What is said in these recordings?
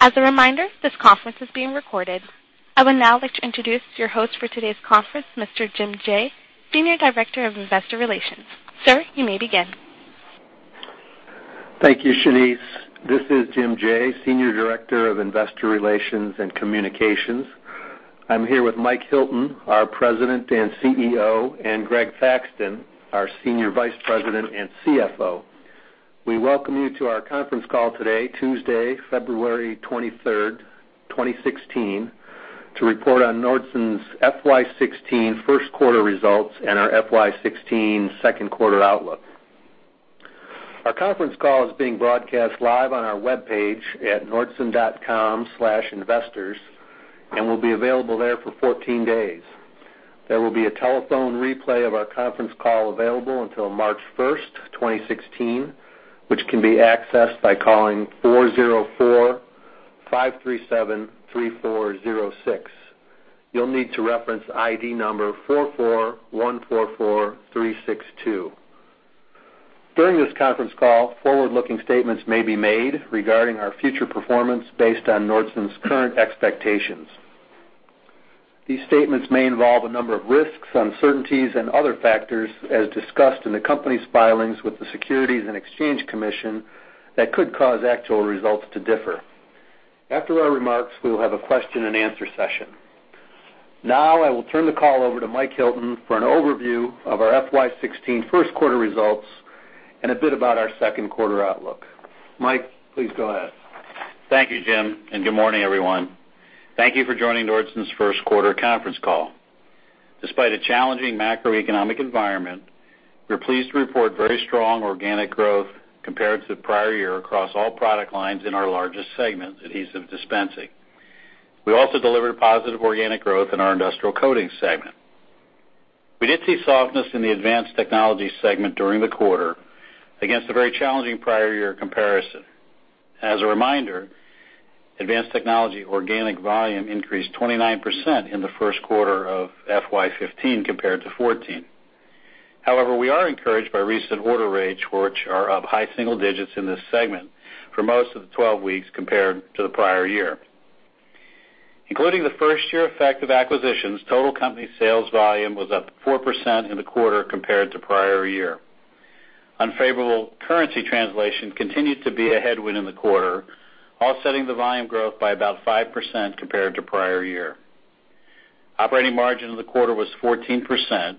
As a reminder, this conference is being recorded. I would now like to introduce your host for today's conference, Mr. Jim Jaye, Senior Director of Investor Relations. Sir, you may begin. Thank you, Shane. This is Jim Jaye, Senior Director of Investor Relations and Communications. I'm here with Mike Hilton, our President and CEO, and Greg Thaxton, our Senior Vice President and CFO. We welcome you to our conference call today, Tuesday, February 23rd, 2016, to report on Nordson's FY 2016 first quarter results and our FY 2016 second quarter outlook. Our conference call is being broadcast live on our webpage at nordson.com/investors and will be available there for 14 days. There will be a telephone replay of our conference call available until March 1st, 2016, which can be accessed by calling 404-537-3406. You'll need to reference ID number 44144362. During this conference call, forward-looking statements may be made regarding our future performance based on Nordson's current expectations. These statements may involve a number of risks, uncertainties and other factors, as discussed in the company's filings with the Securities and Exchange Commission that could cause actual results to differ. After our remarks, we will have a question-and-answer session. Now, I will turn the call over to Mike Hilton for an overview of our FY 2016 first quarter results and a bit about our second quarter outlook. Mike, please go ahead. Thank you, Jim, and good morning, everyone. Thank you for joining Nordson's first quarter conference call. Despite a challenging macroeconomic environment, we're pleased to report very strong organic growth compared to the prior year across all product lines in our largest segment, Adhesive Dispensing. We also delivered positive organic growth in our Industrial Coating segment. We did see softness in the Advanced Technology segment during the quarter against a very challenging prior year comparison. As a reminder, Advanced Technology organic volume increased 29% in the first quarter of FY 2015 compared to 2014. However, we are encouraged by recent order rates, which are up high single digits in this segment for most of the 12 weeks compared to the prior year. Including the first year effect of acquisitions, total company sales volume was up 4% in the quarter compared to prior year. Unfavorable currency translation continued to be a headwind in the quarter, offsetting the volume growth by about 5% compared to prior year. Operating margin in the quarter was 14%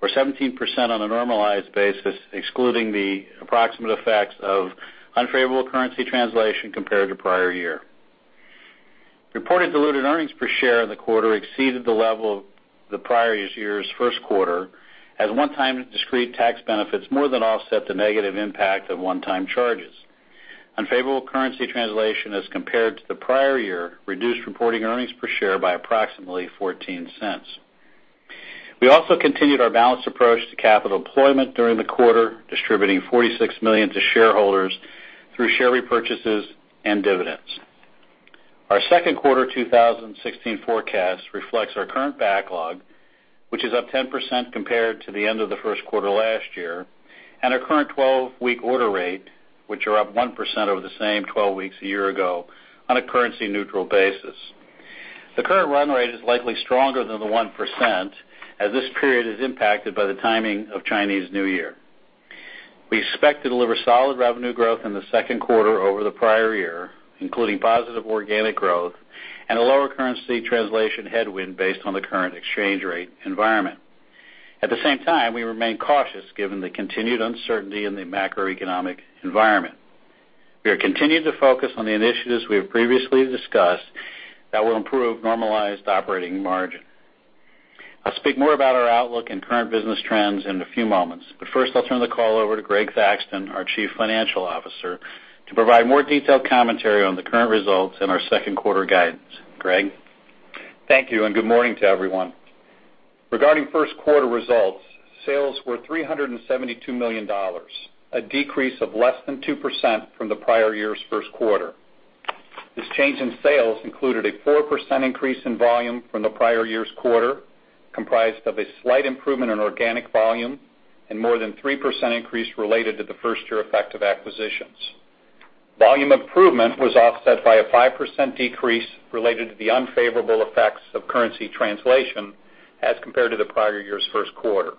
or 17% on a normalized basis, excluding the approximate effects of unfavorable currency translation compared to prior year. Reported diluted earnings per share in the quarter exceeded the level of the prior year's first quarter as one-time discrete tax benefits more than offset the negative impact of one-time charges. Unfavorable currency translation as compared to the prior year reduced reported earnings per share by approximately $0.14. We also continued our balanced approach to capital deployment during the quarter, distributing $46 million to shareholders through share repurchases and dividends. Our second quarter 2016 forecast reflects our current backlog, which is up 10% compared to the end of the first quarter last year, and our current 12-week order rate, which is up 1% over the same 12 weeks a year ago on a currency neutral basis. The current run rate is likely stronger than the 1%, as this period is impacted by the timing of Chinese New Year. We expect to deliver solid revenue growth in the second quarter over the prior year, including positive organic growth and a lower currency translation headwind based on the current exchange rate environment. At the same time, we remain cautious given the continued uncertainty in the macroeconomic environment. We are continuing to focus on the initiatives we have previously discussed that will improve normalized operating margin. I'll speak more about our outlook and current business trends in a few moments, but first, I'll turn the call over to Greg Thaxton, our Chief Financial Officer, to provide more detailed commentary on the current results and our second quarter guidance. Greg? Thank you and good morning to everyone. Regarding first quarter results, sales were $372 million, a decrease of less than 2% from the prior year's first quarter. This change in sales included a 4% increase in volume from the prior year's quarter, comprised of a slight improvement in organic volume and more than 3% increase related to the first year effect of acquisitions. Volume improvement was offset by a 5% decrease related to the unfavorable effects of currency translation as compared to the prior year's first quarter.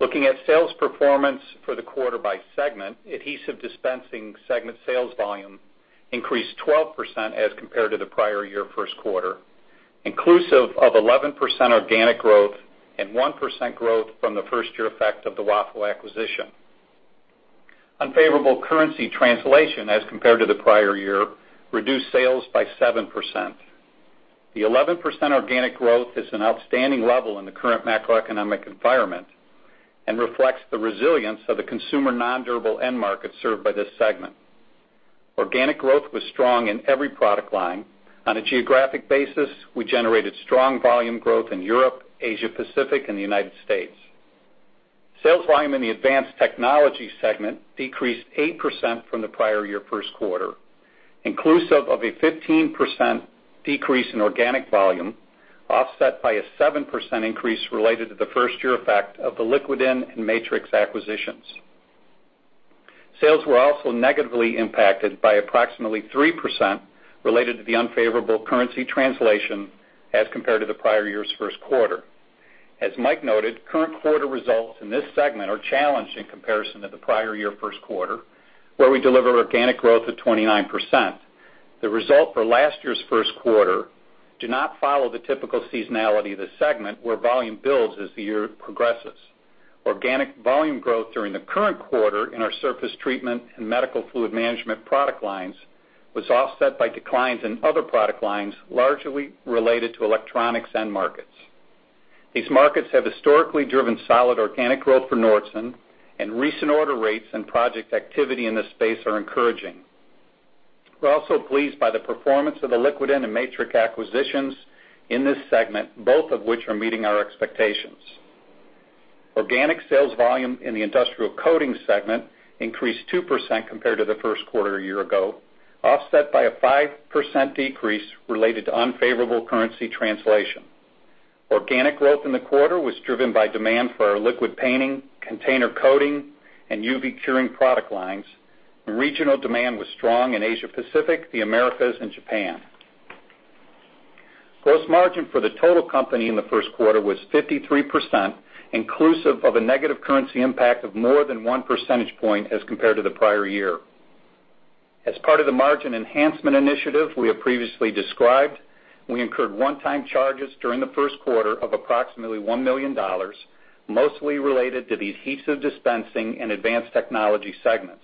Looking at sales performance for the quarter by segment, Adhesive Dispensing segment sales volume increased 12% as compared to the prior year first quarter, inclusive of 11% organic growth and 1% growth from the first year effect of the WAFO acquisition. Unfavorable currency translation as compared to the prior year reduced sales by 7%. The 11% organic growth is an outstanding level in the current macroeconomic environment and reflects the resilience of the consumer nondurable end market served by this segment. Organic growth was strong in every product line. On a geographic basis, we generated strong volume growth in Europe, Asia Pacific and the United States. Sales volume in the Advanced Technology segment decreased 8% from the prior year first quarter, inclusive of a 15% decrease in organic volume, offset by a 7% increase related to the first year effect of the Liquidyn and MatriX acquisitions. Sales were also negatively impacted by approximately 3% related to the unfavorable currency translation as compared to the prior year's first quarter. As Mike noted, current quarter results in this segment are challenged in comparison to the prior year first quarter, where we delivered organic growth of 29%. The result for last year's first quarter do not follow the typical seasonality of the segment, where volume builds as the year progresses. Organic volume growth during the current quarter in our surface treatment and medical fluid management product lines was offset by declines in other product lines, largely related to electronics end markets. These markets have historically driven solid organic growth for Nordson, and recent order rates and project activity in this space are encouraging. We're also pleased by the performance of the Liquidyn and MatriX acquisitions in this segment, both of which are meeting our expectations. Organic sales volume in the Industrial Coating segment increased 2% compared to the first quarter a year ago, offset by a 5% decrease related to unfavorable currency translation. Organic growth in the quarter was driven by demand for our liquid painting, container coating, and UV curing product lines, and regional demand was strong in Asia Pacific, the Americas, and Japan. Gross margin for the total company in the first quarter was 53%, inclusive of a negative currency impact of more than 1 percentage point as compared to the prior year. As part of the margin enhancement initiative we have previously described, we incurred one-time charges during the first quarter of approximately $1 million, mostly related to the Adhesive Dispensing and Advanced Technology segments.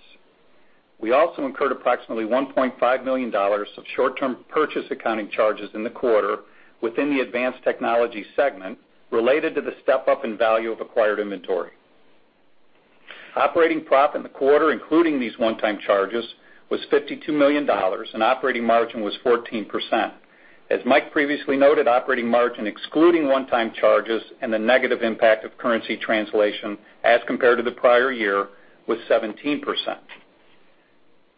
We also incurred approximately $1.5 million of short-term purchase accounting charges in the quarter within the Advanced Technology segment related to the step-up in value of acquired inventory. Operating profit in the quarter, including these one-time charges, was $52 million, and operating margin was 14%. As Mike previously noted, operating margin excluding one-time charges and the negative impact of currency translation as compared to the prior year was 17%.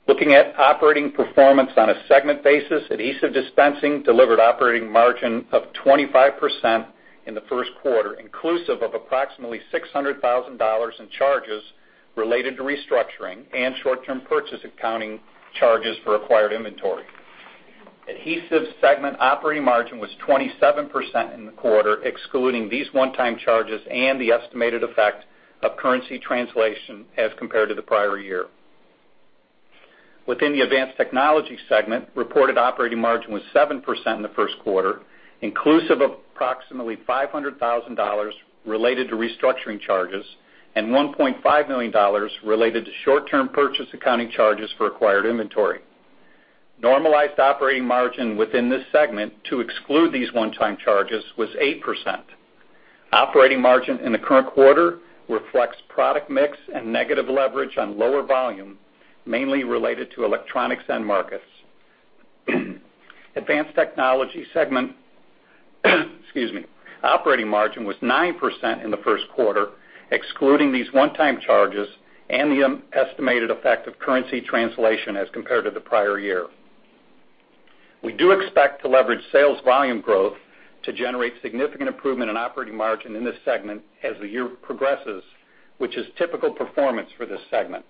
Looking at operating performance on a segment basis, Adhesive Dispensing delivered operating margin of 25% in the first quarter, inclusive of approximately $600 thousand in charges related to restructuring and short-term purchase accounting charges for acquired inventory. Adhesive Dispensing segment operating margin was 27% in the quarter, excluding these one-time charges and the estimated effect of currency translation as compared to the prior year. Within the Advanced Technology segment, reported operating margin was 7% in the first quarter, inclusive of approximately $500,000 related to restructuring charges and $1.5 million related to short-term purchase accounting charges for acquired inventory. Normalized operating margin within this segment to exclude these one-time charges was 8%. Operating margin in the current quarter reflects product mix and negative leverage on lower volume, mainly related to electronics end markets. Operating margin was 9% in the first quarter, excluding these one-time charges and the estimated effect of currency translation as compared to the prior year. We do expect to leverage sales volume growth to generate significant improvement in operating margin in this segment as the year progresses, which is typical performance for this segment.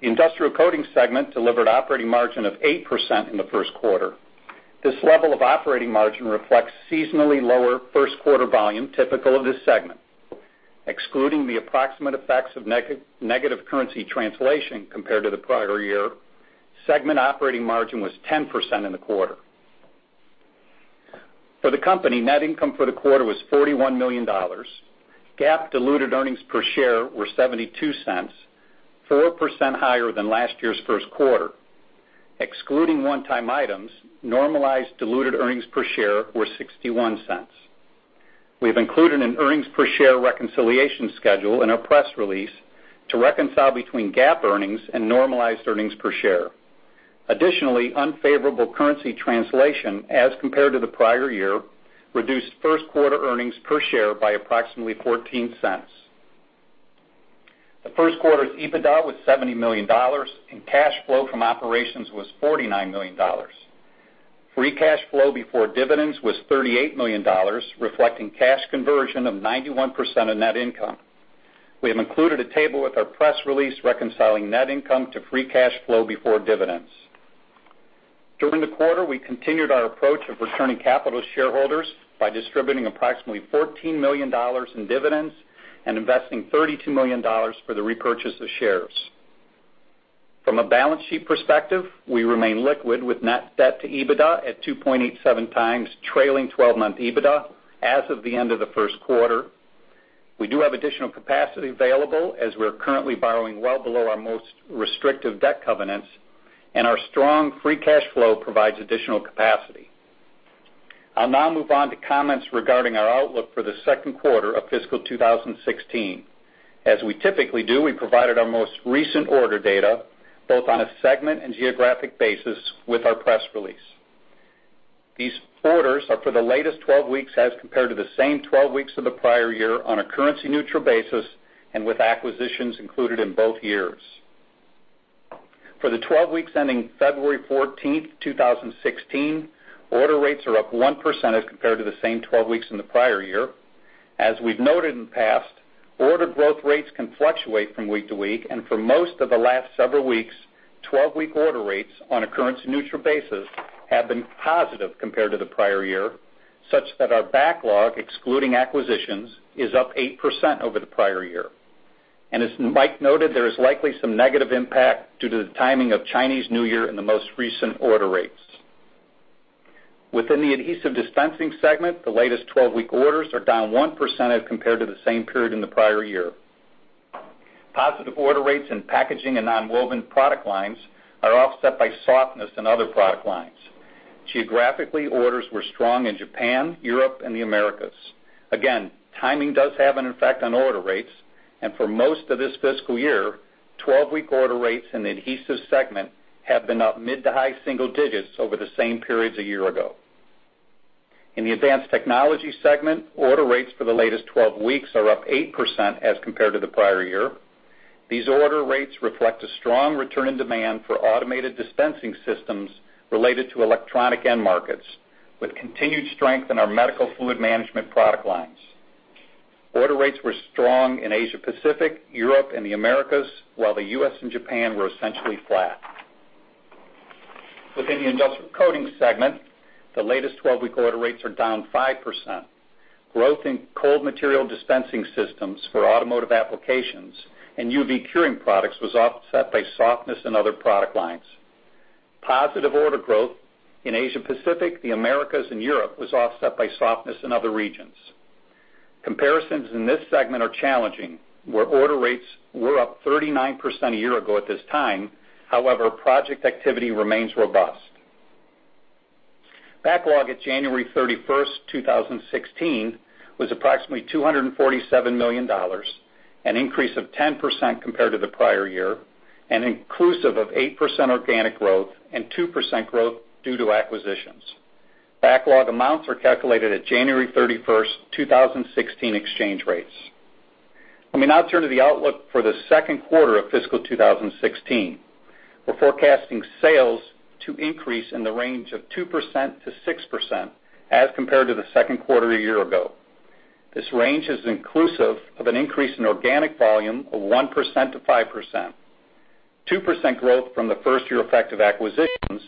The Industrial Coating segment delivered operating margin of 8% in the first quarter. This level of operating margin reflects seasonally lower first quarter volume typical of this segment. Excluding the approximate effects of negative currency translation compared to the prior year, segment operating margin was 10% in the quarter. For the company, net income for the quarter was $41 million. GAAP diluted earnings per share were $0.72, 4% higher than last year's first quarter. Excluding one-time items, normalized diluted earnings per share were $0.61. We have included an earnings per share reconciliation schedule in our press release to reconcile between GAAP earnings and normalized earnings per share. Additionally, unfavorable currency translation as compared to the prior year reduced first quarter earnings per share by approximately $0.14. The first quarter's EBITDA was $70 million, and cash flow from operations was $49 million. Free cash flow before dividends was $38 million, reflecting cash conversion of 91% of net income. We have included a table with our press release reconciling net income to free cash flow before dividends. During the quarter, we continued our approach of returning capital to shareholders by distributing approximately $14 million in dividends and investing $32 million for the repurchase of shares. From a balance sheet perspective, we remain liquid with net debt to EBITDA at 2.87x trailing 12-month EBITDA as of the end of the first quarter. We do have additional capacity available as we're currently borrowing well below our most restrictive debt covenants, and our strong free cash flow provides additional capacity. I'll now move on to comments regarding our outlook for the second quarter of fiscal 2016. As we typically do, we provided our most recent order data, both on a segment and geographic basis, with our press release. These orders are for the latest twelve weeks as compared to the same twelve weeks of the prior year on a currency-neutral basis and with acquisitions included in both years. For the 12 weeks ending February 14th, 2016, order rates are up 1% as compared to the same 12 weeks in the prior year. As we've noted in the past, order growth rates can fluctuate from week-to-week, and for most of the last several weeks, 12-week order rates on a currency-neutral basis have been positive compared to the prior year, such that our backlog, excluding acquisitions, is up 8% over the prior year. As Mike noted, there is likely some negative impact due to the timing of Chinese New Year in the most recent order rates. Within the Adhesive Dispensing segment, the latest 12-week orders are down 1% as compared to the same period in the prior year. Positive order rates in Packaging and Nonwovens product lines are offset by softness in other product lines. Geographically, orders were strong in Japan, Europe, and the Americas. Again, timing does have an effect on order rates, and for most of this fiscal year, 12-week order rates in the Adhesive segment have been up mid to high single digits over the same periods a year ago. In the Advanced Technology segment, order rates for the latest 12 weeks are up 8% as compared to the prior year. These order rates reflect a strong return in demand for automated dispensing systems related to electronic end markets, with continued strength in our medical fluid management product lines. Order rates were strong in Asia Pacific, Europe, and the Americas, while the U.S. and Japan were essentially flat. Within the Industrial Coating segment, the latest 12-week order rates are down 5%. Growth in cold material dispensing systems for automotive applications and UV curing products was offset by softness in other product lines. Positive order growth in Asia Pacific, the Americas, and Europe was offset by softness in other regions. Comparisons in this segment are challenging, where order rates were up 39% a year ago at this time. However, project activity remains robust. Backlog at January 31st, 2016 was approximately $247 million, an increase of 10% compared to the prior year, and inclusive of 8% organic growth and 2% growth due to acquisitions. Backlog amounts are calculated at January 31st, 2016 exchange rates. Let me now turn to the outlook for the second quarter of fiscal 2016. We're forecasting sales to increase in the range of 2%-6% as compared to the second quarter a year ago. This range is inclusive of an increase in organic volume of 1%-5%, 2% growth from the first-year effect of acquisitions,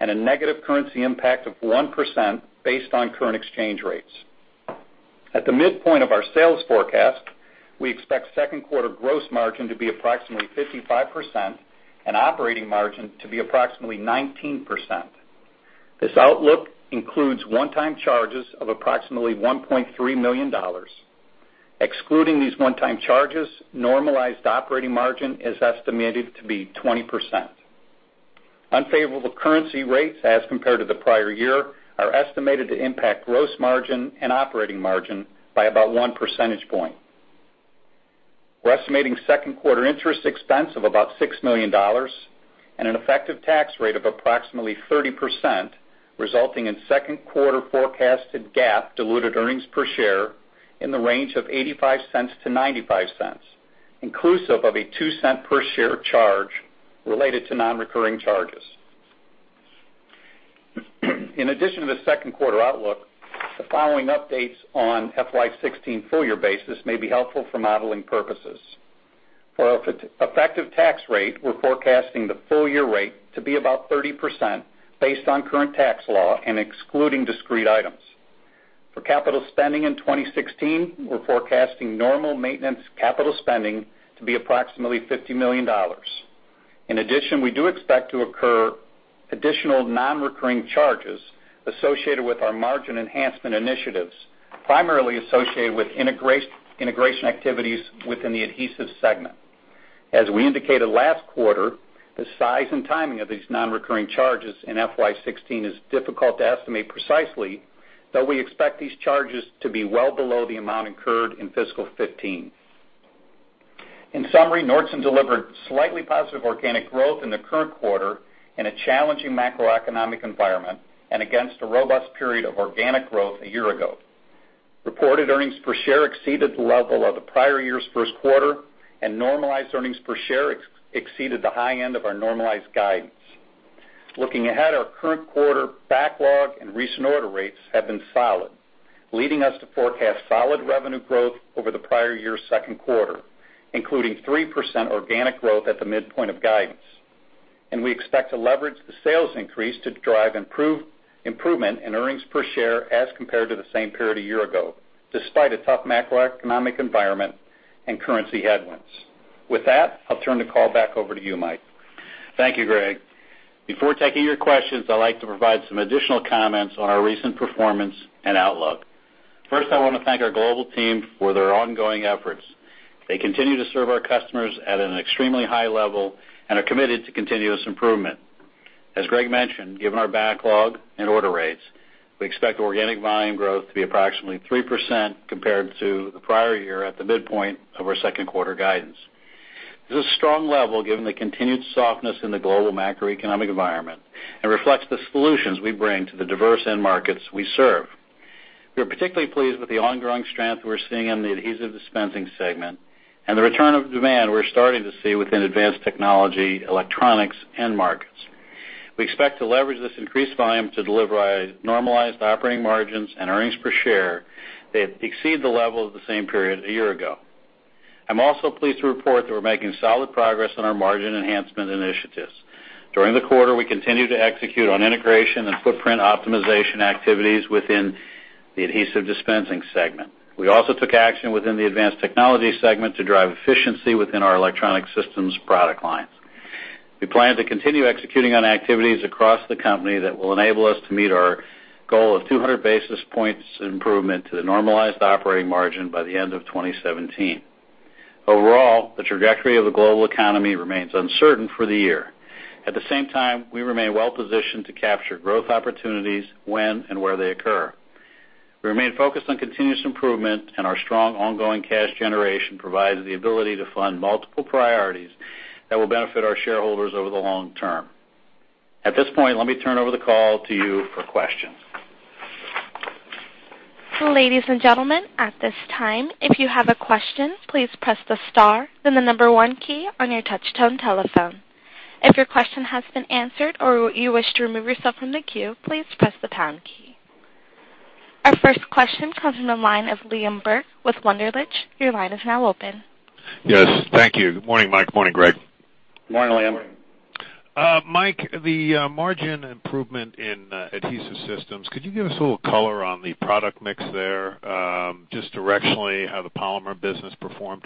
and a negative currency impact of 1% based on current exchange rates. At the midpoint of our sales forecast, we expect second quarter gross margin to be approximately 55% and operating margin to be approximately 19%. This outlook includes one-time charges of approximately $1.3 million. Excluding these one-time charges, normalized operating margin is estimated to be 20%. Unfavorable currency rates as compared to the prior year are estimated to impact gross margin and operating margin by about 1 percentage point. We're estimating second quarter interest expense of about $6 million and an effective tax rate of approximately 30%, resulting in second quarter forecasted GAAP diluted earnings per share in the range of $0.85-$0.95, inclusive of a $0.02 per share charge related to non-recurring charges. In addition to the second quarter outlook, the following updates on FY 2016 full year basis may be helpful for modeling purposes. For our effective tax rate, we're forecasting the full year rate to be about 30% based on current tax law and excluding discrete items. For capital spending in 2016, we're forecasting normal maintenance capital spending to be approximately $50 million. In addition, we do expect to occur additional non-recurring charges associated with our margin enhancement initiatives, primarily associated with integration activities within the Adhesive segment. As we indicated last quarter, the size and timing of these non-recurring charges in FY 2016 is difficult to estimate precisely, though we expect these charges to be well below the amount incurred in fiscal 2015. In summary, Nordson delivered slightly positive organic growth in the current quarter in a challenging macroeconomic environment and against a robust period of organic growth a year ago. Reported earnings per share exceeded the level of the prior year's first quarter, and normalized earnings per share exceeded the high end of our normalized guidance. Looking ahead, our current quarter backlog and recent order rates have been solid, leading us to forecast solid revenue growth over the prior year's second quarter, including 3% organic growth at the midpoint of guidance. We expect to leverage the sales increase to drive improvement in earnings per share as compared to the same period a year ago, despite a tough macroeconomic environment and currency headwinds. With that, I'll turn the call back over to you, Mike. Thank you, Greg. Before taking your questions, I'd like to provide some additional comments on our recent performance and outlook. First, I wanna thank our global team for their ongoing efforts. They continue to serve our customers at an extremely high level and are committed to continuous improvement. As Greg mentioned, given our backlog and order rates, we expect organic volume growth to be approximately 3% compared to the prior year at the midpoint of our second quarter guidance. This is a strong level given the continued softness in the global macroeconomic environment and reflects the solutions we bring to the diverse end markets we serve. We are particularly pleased with the ongoing strength we're seeing in the Adhesive Dispensing segment and the return of demand we're starting to see within Advanced Technology electronics end markets. We expect to leverage this increased volume to deliver a normalized operating margins and earnings per share that exceed the level of the same period a year ago. I'm also pleased to report that we're making solid progress on our margin enhancement initiatives. During the quarter, we continued to execute on integration and footprint optimization activities within the Adhesive Dispensing segment. We also took action within the Advanced Technology segment to drive efficiency within our electronic systems product lines. We plan to continue executing on activities across the company that will enable us to meet our goal of 200 basis points improvement to the normalized operating margin by the end of 2017. Overall, the trajectory of the global economy remains uncertain for the year. At the same time, we remain well positioned to capture growth opportunities when and where they occur. We remain focused on continuous improvement, and our strong ongoing cash generation provides the ability to fund multiple priorities that will benefit our shareholders over the long term. At this point, let me turn over the call to you for questions. Ladies and gentlemen, at this time, if you have a question, please press the star, then the number one key on your touch-tone telephone. If your question has been answered or you wish to remove yourself from the queue, please press the pound key. Our first question comes from the line of Liam Burke with Wunderlich. Your line is now open. Yes, thank you. Good morning, Mike. Good morning, Greg. Good morning, Liam. Good morning. Mike, the margin improvement in adhesive systems, could you give us a little color on the product mix there, just directionally how the polymer business performed?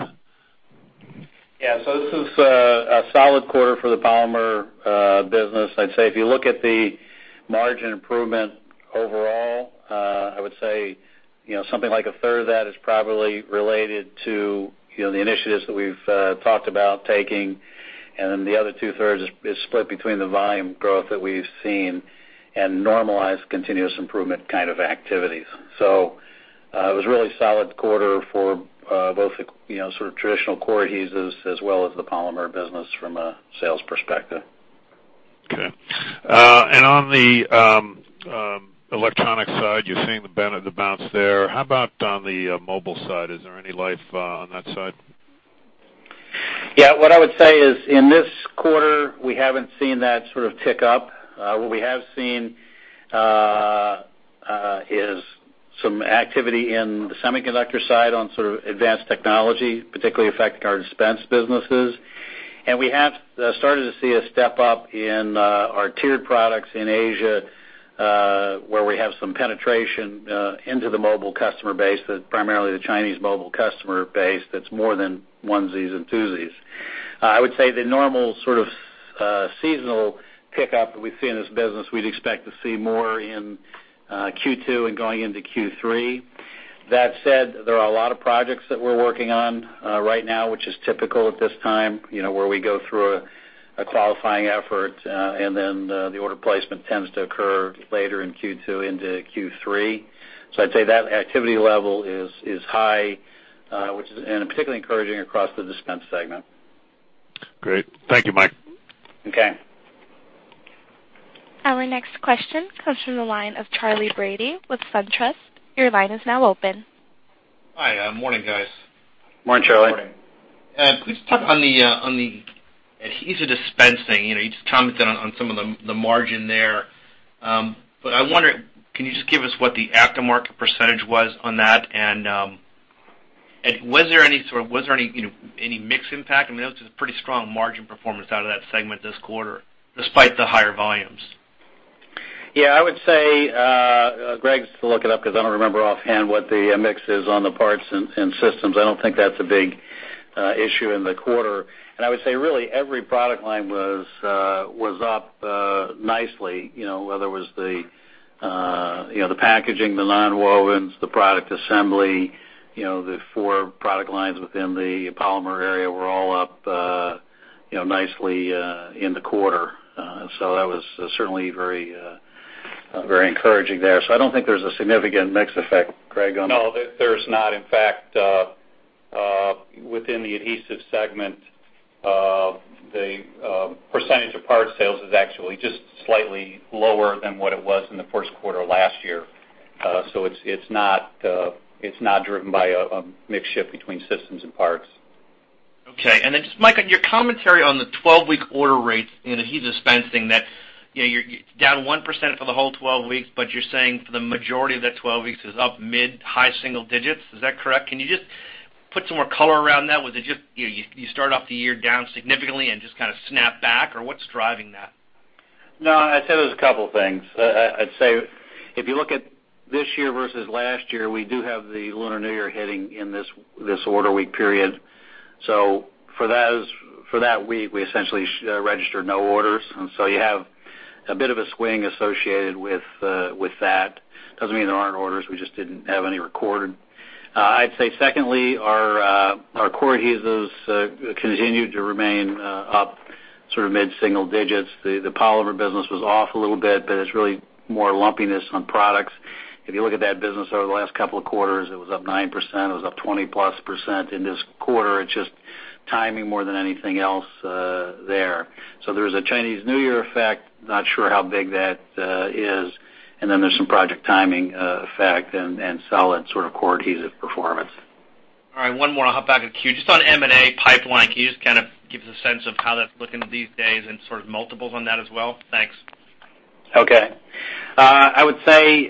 This is a solid quarter for the polymer business. I'd say if you look at the margin improvement overall, I would say, you know, something like a third of that is probably related to, you know, the initiatives that we've talked about taking, and then the other 2/3 is split between the volume growth that we've seen and normalized continuous improvement kind of activities. It was really a solid quarter for both the, you know, sort of traditional core adhesives as well as the polymer business from a sales perspective. Okay. On the electronic side, you're seeing the bounce there. How about on the mobile side? Is there any life on that side? Yeah. What I would say is, in this quarter, we haven't seen that sort of tick up. What we have seen is some activity in the semiconductor side on sort of Advanced Technology, particularly affecting our dispensing businesses. We have started to see a step up in our Tier 1 products in Asia, where we have some penetration into the mobile customer base, that primarily the Chinese mobile customer base that's more than onesies and twosies. I would say the normal sort of seasonal pickup that we see in this business, we'd expect to see more in Q2 and going into Q3. That said, there are a lot of projects that we're working on right now, which is typical at this time, you know, where we go through a qualifying effort, and then the order placement tends to occur later in Q2 into Q3. I'd say that activity level is high, which is particularly encouraging across the Dispense segment. Great. Thank you, Mike. Okay. Our next question comes from the line of Charley Brady with SunTrust. Your line is now open. Hi. Morning, guys. Morning, Charlie. Morning. Can you just talk on the Adhesive Dispensing, you know, you just commented on some of the margin there. I wonder, can you just give us what the aftermarket percentage was on that? Was there any, you know, any mix impact? I mean, that was a pretty strong margin performance out of that segment this quarter, despite the higher volumes. Yeah. I would say, Greg's to look it up, 'cause I don't remember offhand what the mix is on the parts and systems. I don't think that's a big issue in the quarter. I would say really every product line was up you know, nicely, whether it was the you know, the Packaging, the Nonwovens, the Product Assembly, you know, the four product lines within the polymer area were all up you know, nicely in the quarter. That was certainly very encouraging there. I don't think there's a significant mix effect, Greg, on that. No, there's not. In fact, within the Adhesive segment, the percentage of parts sales is actually just slightly lower than what it was in the first quarter of last year. It's not driven by a mix shift between systems and parts. Okay. Just, Mike, on your commentary on the 12-week order rates in Adhesive Dispensing that, you know, you're down 1% for the whole twelve weeks, but you're saying for the majority of that twelve weeks is up mid-high single digits. Is that correct? Can you just put some more color around that? Was it just, you know, you start off the year down significantly and just kind of snap back, or what's driving that? No, I'd say there's a couple things. I'd say if you look at this year versus last year, we do have the Lunar New Year hitting in this order week period. For that week, we essentially registered no orders. You have a bit of a swing associated with that. Doesn't mean there aren't orders, we just didn't have any recorded. I'd say secondly, our core adhesives continued to remain up sort of mid-single digits. The polymer business was off a little bit, but it's really more lumpiness on products. If you look at that business over the last couple of quarters, it was up 9%, it was up 20%+ in this quarter. It's just timing more than anything else, there. There's a Chinese New Year effect, not sure how big that is. Then there's some project timing effect and solid sort of core adhesive performance. All right. One more. I'll hop back in the queue. Just on M&A pipeline, can you just kind of give us a sense of how that's looking these days and sort of multiples on that as well? Thanks. Okay. I would say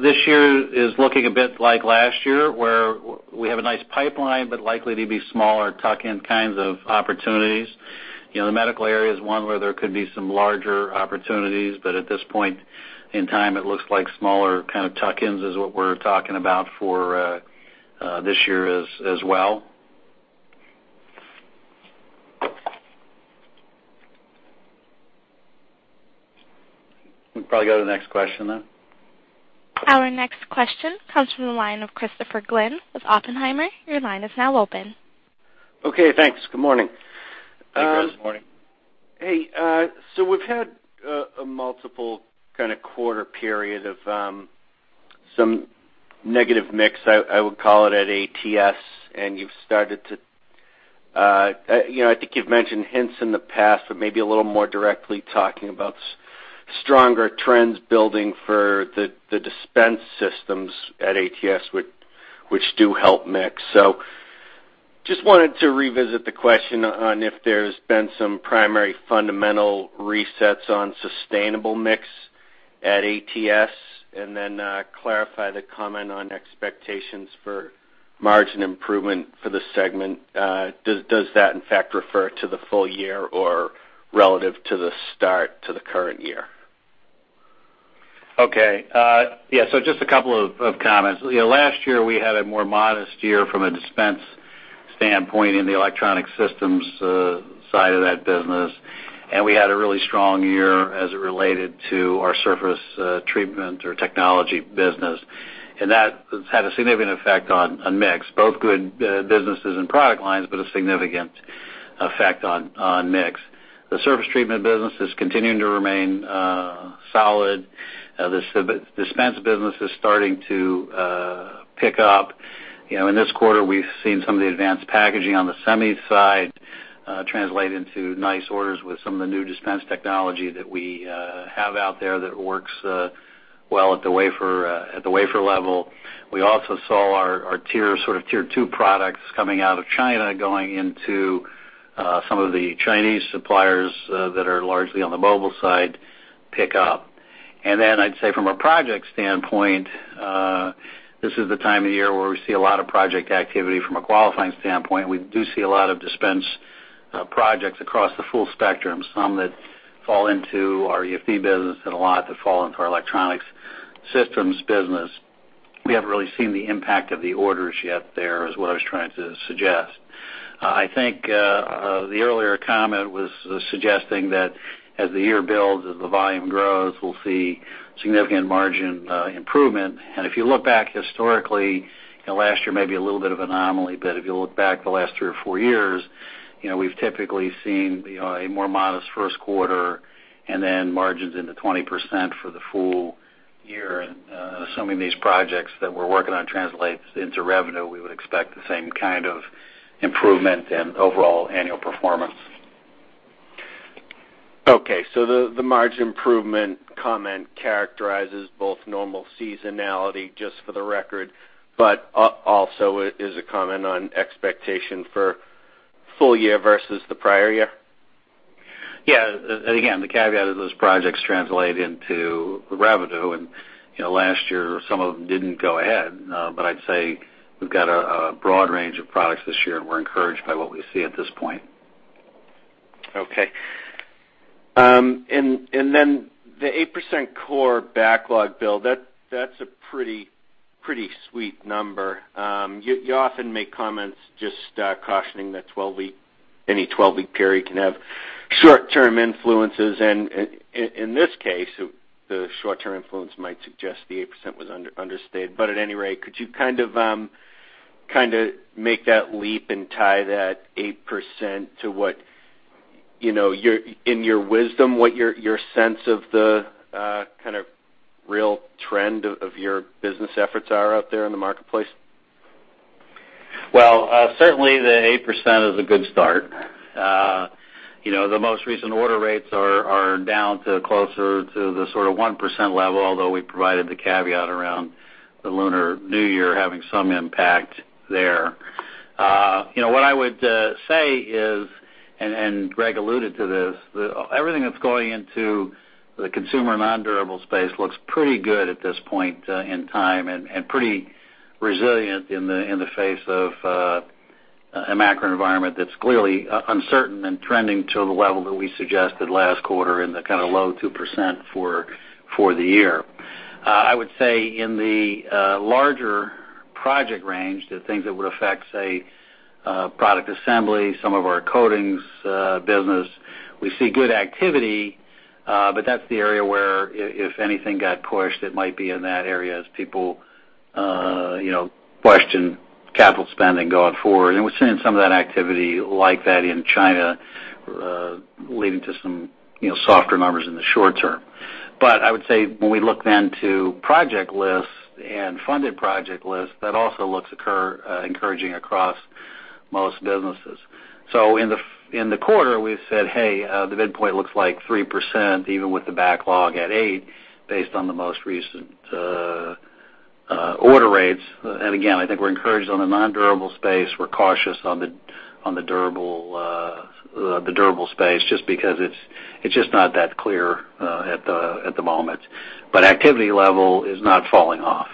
this year is looking a bit like last year, where we have a nice pipeline, but likely to be smaller tuck-in kinds of opportunities. You know, the medical area is one where there could be some larger opportunities, but at this point in time, it looks like smaller kind of tuck-ins is what we're talking about for this year as well. We probably go to the next question then. Our next question comes from the line of Christopher Glynn with Oppenheimer. Your line is now open. Okay, thanks. Good morning. Hey, Chris. Good morning. Hey, so we've had a multiple kinda quarter period of some negative mix, I would call it, at ATS, and you've started to you know, I think you've mentioned hints in the past but maybe a little more directly talking about stronger trends building for the dispense systems at ATS which do help mix. Just wanted to revisit the question on if there's been some primary fundamental resets on sustainable mix at ATS, and then clarify the comment on expectations for margin improvement for the segment. Does that, in fact, refer to the full year or relative to the start to the current year? Yeah, so just a couple of comments. You know, last year, we had a more modest year from a dispense standpoint in the electronic systems side of that business, and we had a really strong year as it related to our surface treatment or technology business. That has had a significant effect on mix, both good businesses and product lines, but a significant effect on mix. The surface treatment business is continuing to remain solid. The sub-dispense business is starting to pick up. You know, in this quarter, we've seen some of the advanced packaging on the semi side translate into nice orders with some of the new dispense technology that we have out there that works well at the wafer level. We also saw our sort of Tier 2 products coming out of China, going into some of the Chinese suppliers that are largely on the mobile side pick up. Then I'd say from a project standpoint, this is the time of year where we see a lot of project activity from a qualifying standpoint. We do see a lot of dispensing projects across the full spectrum, some that fall into our EFD business and a lot that fall into our Electronics Solutions business. We haven't really seen the impact of the orders yet there, is what I was trying to suggest. I think the earlier comment was suggesting that as the year builds, as the volume grows, we'll see significant margin improvement. If you look back historically, and last year may be a little bit of anomaly, but if you look back the last three or four years, you know, we've typically seen, you know, a more modest first quarter and then margins into 20% for the full year. Assuming these projects that we're working on translates into revenue, we would expect the same kind of improvement and overall annual performance. The margin improvement comment characterizes both normal seasonality, just for the record, but also is a comment on expectation for full year versus the prior year. Yeah. Again, the caveat is those projects translate into revenue. You know, last year, some of them didn't go ahead. I'd say we've got a broad range of products this year, and we're encouraged by what we see at this point. Okay. And then the 8% core backlog build, that's a pretty sweet number. You often make comments just cautioning that 12-week, any 12-week period can have short-term influences. In this case, the short-term influence might suggest the 8% was understated. At any rate, could you kind of kinda make that leap and tie that 8% to what, you know, your, in your wisdom, what your sense of the kind of real trend of your business efforts are out there in the marketplace? Well, certainly the 8% is a good start. You know, the most recent order rates are down to closer to the sort of 1% level, although we provided the caveat around the Lunar New Year having some impact there. You know, what I would say is, and Greg alluded to this, everything that's going into the consumer nondurable space looks pretty good at this point in time and pretty resilient in the face of a macro environment that's clearly uncertain and trending to the level that we suggested last quarter in the kinda low 2% for the year. I would say in the larger project range, the things that would affect, say, Product Assembly, some of our coatings business, we see good activity, but that's the area where if anything got pushed, it might be in that area as people, you know, question capital spending going forward. We're seeing some of that activity like that in China, leading to some, you know, softer numbers in the short term. I would say when we look then to project lists and funded project lists, that also looks encouraging across most businesses. In the quarter, we've said, hey, the midpoint looks like 3% even with the backlog at 8% based on the most recent order rates. Again, I think we're encouraged on the nondurable space. We're cautious on the durable space just because it's just not that clear at the moment. Activity level is not falling off.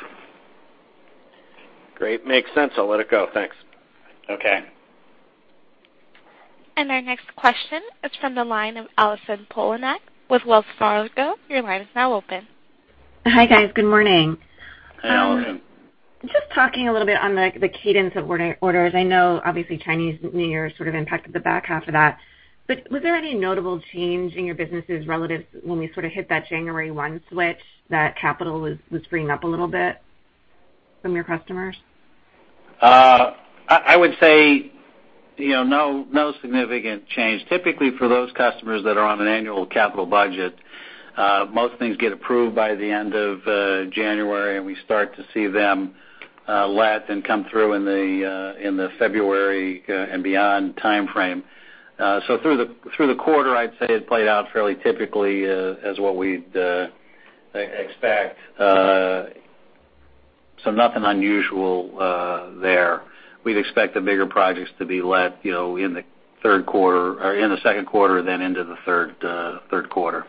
Great. Makes sense. I'll let it go. Thanks. Okay. Our next question is from the line of Allison Poliniak with Wells Fargo. Your line is now open. Hi, guys. Good morning. Hey, Allison. Just talking a little bit on the cadence of orders. I know obviously Chinese New Year sort of impacted the back half of that. Was there any notable change in your businesses relative when we sort of hit that January 1 switch, that capital was freeing up a little bit from your customers? I would say, you know, no significant change. Typically, for those customers that are on an annual capital budget, most things get approved by the end of January, and we start to see them let and come through in the February and beyond timeframe. Through the quarter, I'd say it played out fairly typically as what we'd expect. Nothing unusual there. We'd expect the bigger projects to be let, you know, in the third quarter or in the second quarter then into the third quarter.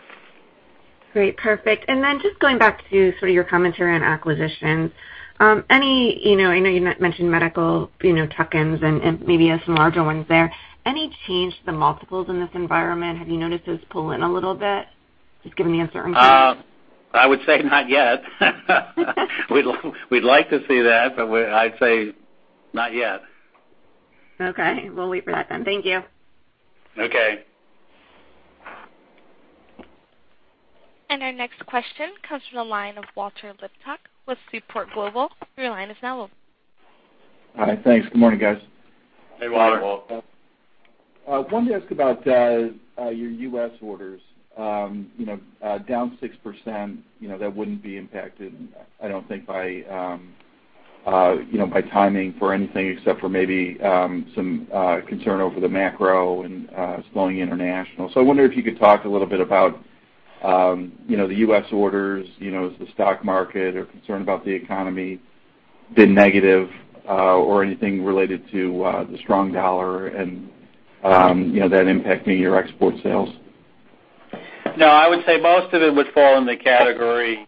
Great. Perfect. Just going back to sort of your commentary on acquisitions. Any, you know, I know you mentioned medical, you know, tuck-ins and maybe some larger ones there. Any change to the multiples in this environment? Have you noticed those pull in a little bit, just given the uncertainty? I would say not yet. We'd like to see that, but I'd say not yet. Okay. We'll wait for that then. Thank you. Okay. Our next question comes from the line of Walter Liptak with Seaport Global. Your line is now open. Hi. Thanks. Good morning, guys. Hey, Walter. Hi, Walter/ Wanted to ask about your U.S. orders. You know, down 6%, you know, that wouldn't be impacted, I don't think by you know, by timing for anything except for maybe some concern over the macro and slowing international. I wonder if you could talk a little bit about you know, the U.S. orders, you know, has the stock market or concern about the economy been negative or anything related to the strong dollar and you know, that impacting your export sales? No, I would say most of it would fall in the category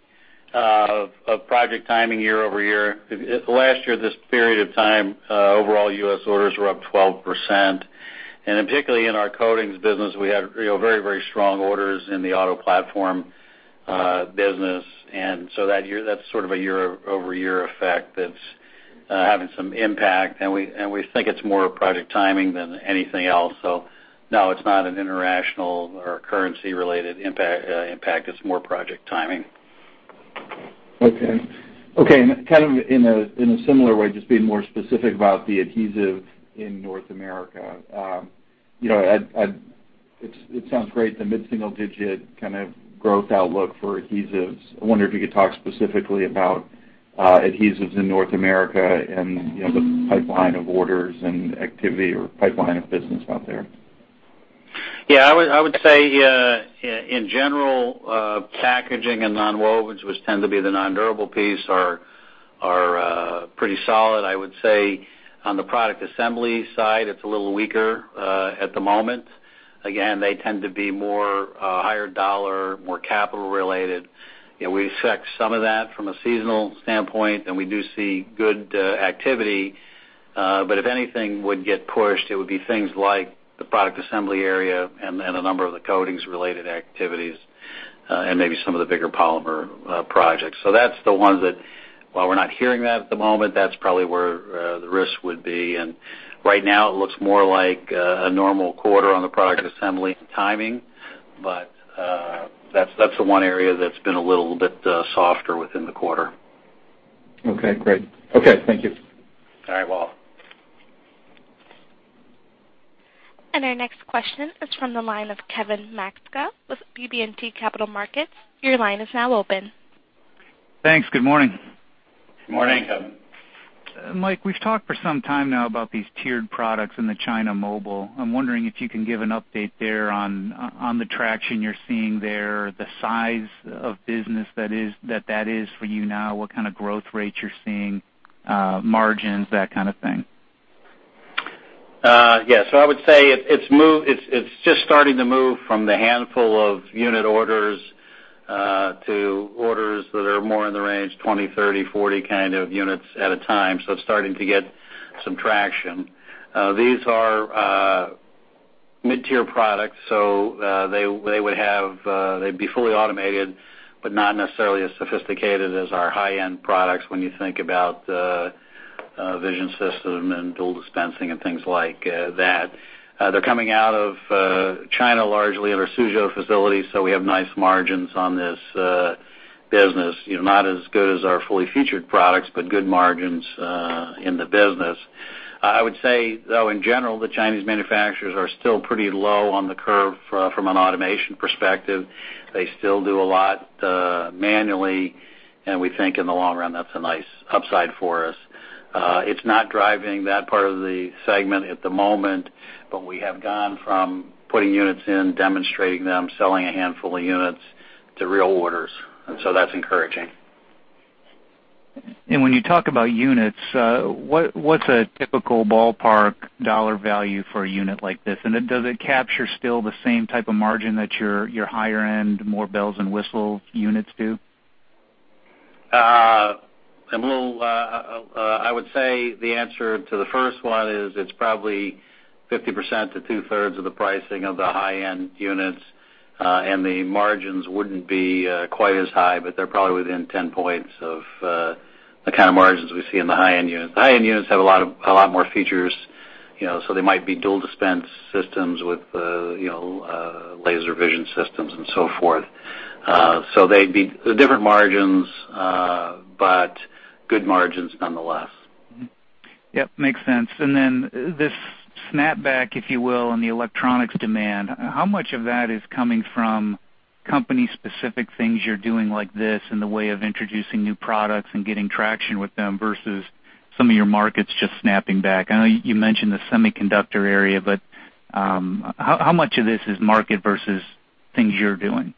of project timing year-over-year. Last year, this period of time, overall U.S. orders were up 12%. Particularly in our coatings business, we had, you know, very, very strong orders in the auto platform business. That year, that's sort of a year-over-year effect that's having some impact. We think it's more project timing than anything else. No, it's not an international or currency-related impact. It's more project timing. Okay, kind of in a similar way, just being more specific about the adhesive in North America. You know, it sounds great, the mid-single-digit kind of growth outlook for adhesives. I wonder if you could talk specifically about adhesives in North America and, you know, the pipeline of orders and activity or pipeline of business out there. Yeah, I would say in general, Packaging and Nonwovens, which tend to be the nondurable piece, are pretty solid. I would say on the Product Assembly side, it's a little weaker at the moment. Again, they tend to be more higher dollar, more capital related. You know, we expect some of that from a seasonal standpoint, and we do see good activity. But if anything would get pushed, it would be things like the product assembly area and a number of the coatings-related activities, and maybe some of the bigger polymer projects. So that's the ones that, while we're not hearing that at the moment, that's probably where the risk would be. Right now, it looks more like a normal quarter on the Product Assembly timing. That's the one area that's been a little bit softer within the quarter. Okay. Great. Okay. Thank you. All right, Walter. Our next question is from the line of Kevin Maczka with BB&T Capital Markets. Your line is now open. Thanks. Good morning. Good morning, Kevin. Mike, we've talked for some time now about these tiered products in the China mobile. I'm wondering if you can give an update there on the traction you're seeing there, the size of business that is for you now, what kind of growth rates you're seeing, margins, that kind of thing. Yeah. I would say it's just starting to move from the handful of unit orders to orders that are more in the range 20, 30, 40 kind of units at a time. It's starting to get some traction. These are mid-tier products, so they'd be fully automated, but not necessarily as sophisticated as our high-end products when you think about a vision system and dual dispensing and things like that. They're coming out of China largely at our Suzhou facility, so we have nice margins on this business. You know, not as good as our fully featured products, but good margins in the business. I would say, though, in general, the Chinese manufacturers are still pretty low on the curve from an automation perspective. They still do a lot, manually, and we think in the long run, that's a nice upside for us. It's not driving that part of the segment at the moment, but we have gone from putting units in, demonstrating them, selling a handful of units to real orders, and so that's encouraging. When you talk about units, what's a typical ballpark dollar value for a unit like this? Does it capture still the same type of margin that your higher end, more bells and whistles units do? I would say the answer to the first one is it's probably 50% to 2/3 of the pricing of the high-end units. The margins wouldn't be quite as high, but they're probably within 10 points of the kind of margins we see in the high-end units. The high-end units have a lot more features, you know, so they might be dual dispense systems with, you know, laser vision systems and so forth. They'd be different margins, but good margins nonetheless. Mm-hmm. Yep, makes sense. This snapback, if you will, on the electronics demand, how much of that is coming from company specific things you're doing like this in the way of introducing new products and getting traction with them versus some of your markets just snapping back? I know you mentioned the semiconductor area, but how much of this is market versus things you're doing?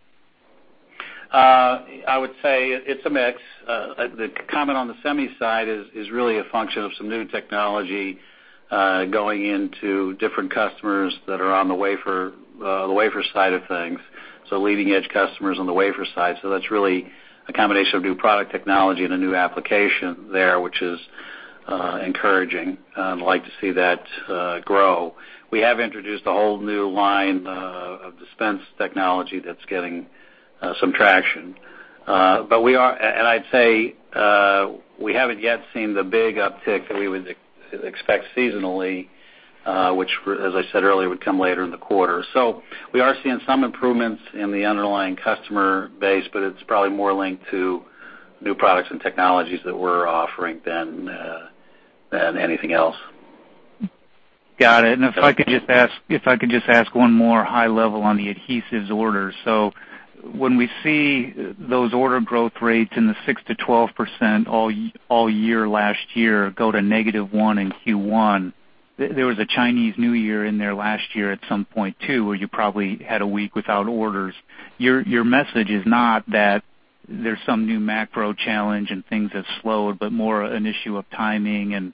I would say it's a mix. The comment on the semi side is really a function of some new technology going into different customers that are on the wafer, the wafer side of things, so leading edge customers on the wafer side. That's really a combination of new product technology and a new application there, which is encouraging. I'd like to see that grow. We have introduced a whole new line of dispense technology that's getting some traction. I'd say we haven't yet seen the big uptick that we would expect seasonally, which, as I said earlier, would come later in the quarter. We are seeing some improvements in the underlying customer base, but it's probably more linked to new products and technologies that we're offering than anything else. Got it. If I could just ask one more high level on the adhesives order. When we see those order growth rates in the 6%-12% all year last year go to -1% in Q1, there was a Chinese New Year in there last year at some point, too, where you probably had a week without orders. Your message is not that there's some new macro challenge and things have slowed, but more an issue of timing and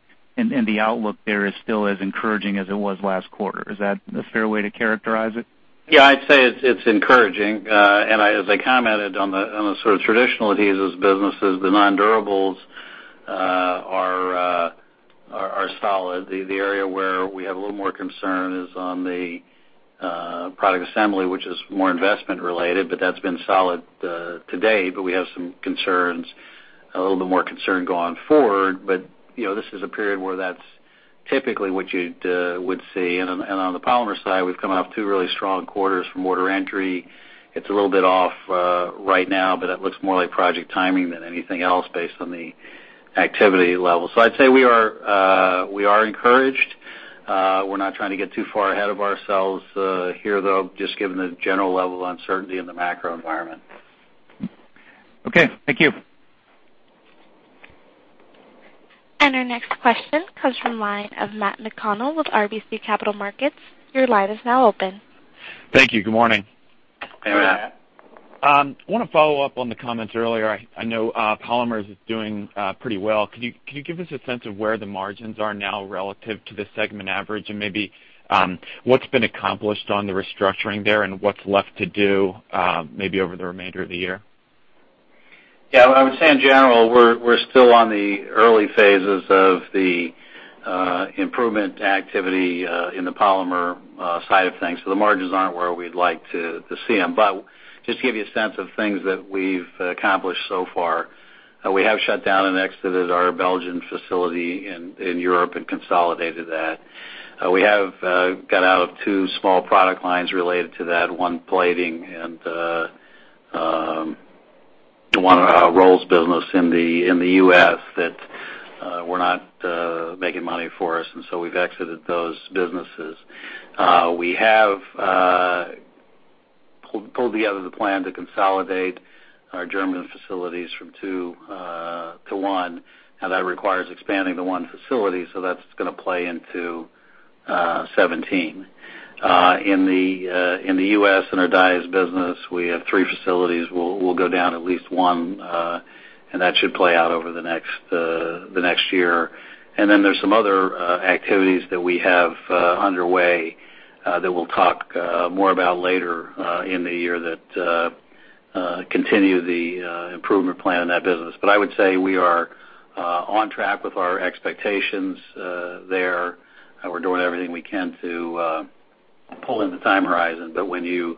the outlook there is still as encouraging as it was last quarter. Is that a fair way to characterize it? Yeah, I'd say it's encouraging. As I commented on the sort of traditional adhesives businesses, the nondurables are solid. The area where we have a little more concern is on the Product Assembly, which is more investment related, but that's been solid today. We have some concerns, a little bit more concern going forward. You know, this is a period where that's typically what you'd see. On the polymer side, we've come off two really strong quarters from order entry. It's a little bit off right now, but it looks more like project timing than anything else based on the activity level. I'd say we are encouraged. We're not trying to get too far ahead of ourselves, here, though, just given the general level of uncertainty in the macro environment. Okay, thank you. Our next question comes from the line of Matt McConnell with RBC Capital Markets. Your line is now open. Thank you. Good morning. Good morning, Matt. I wanna follow up on the comments earlier. I know, polymers is doing pretty well. Could you give us a sense of where the margins are now relative to the segment average and maybe, what's been accomplished on the restructuring there and what's left to do, maybe over the remainder of the year? Yeah, I would say in general, we're still on the early phases of the improvement activity in the polymer side of things. The margins aren't where we'd like to see them. Just to give you a sense of things that we've accomplished so far, we have shut down and exited our Belgian facility in Europe and consolidated that. We have got out of two small product lines related to that, one plating and one of our rolls business in the U.S. that were not making money for us, and so we've exited those businesses. We have pulled together the plan to consolidate our German facilities from two to one. Now, that requires expanding the one facility, so that's gonna play into 2017. In the U.S. and our dies business, we have three facilities. We'll go down at least one, and that should play out over the next year. Then there's some other activities that we have underway that we'll talk more about later in the year that continue the improvement plan in that business. I would say we are on track with our expectations there. We're doing everything we can to pull in the time horizon. When you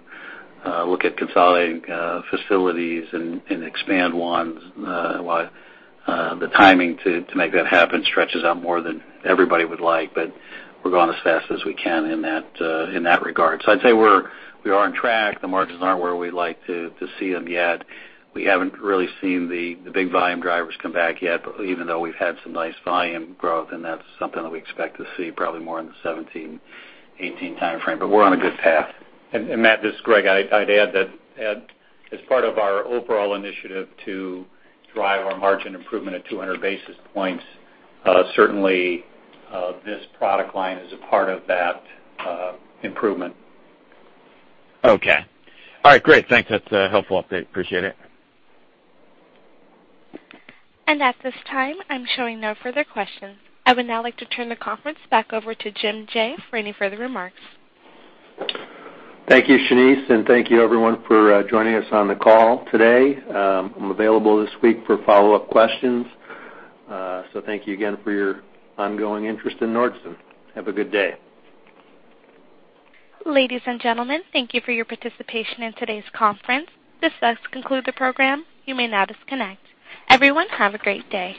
look at consolidating facilities and expand ones, the timing to make that happen stretches out more than everybody would like, but we're going as fast as we can in that regard. I'd say we're on track. The margins aren't where we'd like to see them yet. We haven't really seen the big volume drivers come back yet, but even though we've had some nice volume growth, and that's something that we expect to see probably more in the 2017, 2018 timeframe, but we're on a good path. Matt, this is Greg. I'd add that as part of our overall initiative to drive our margin improvement at 200 basis points, certainly, this product line is a part of that improvement. Okay. All right, great. Thanks. That's a helpful update. Appreciate it. At this time, I'm showing no further questions. I would now like to turn the conference back over to Jim Jaye. for any further remarks. Thank you, Shane, and thank you everyone for joining us on the call today. I'm available this week for follow-up questions. Thank you again for your ongoing interest in Nordson. Have a good day. Ladies and gentlemen, thank you for your participation in today's conference. This does conclude the program. You may now disconnect. Everyone, have a great day.